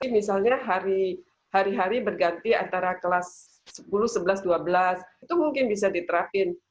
misalnya hari hari berganti antara kelas sepuluh sebelas dua belas itu mungkin bisa diterapkan